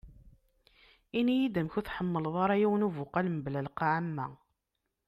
Ini-yi-d amek ur tḥemleḍ ara yiwen ubuqal mebla lqaɛ am wa.